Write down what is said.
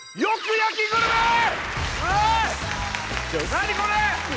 い何これ！？